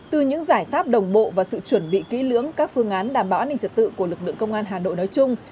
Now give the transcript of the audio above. từ những giải pháp đồng bộ và sự chuẩn bị kỹ lưỡng các phương án đảm bảo an ninh trật tự của lực lượng công an hà nội nói chung